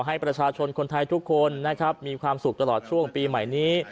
ให้ประชาชนคนไทยทุกคนนะครับมีความสุขตลอดช่วงปีใหม่นี้